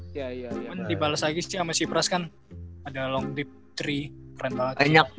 cuma dibalas lagi sih sama si pras kan ada long deep tiga keren banget